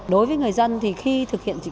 đối với người dân khi thực hiện thủ tục hành chính